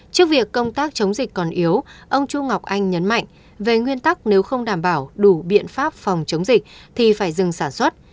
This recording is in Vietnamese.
trước việc công tác chống dịch còn yếu ông chu ngọc anh nhấn mạnh về nguyên tắc nếu không đảm bảo đủ biện pháp phòng chống dịch thì phải dừng sản xuất